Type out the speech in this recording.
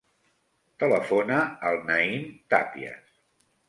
Telefona al Naïm Tapias.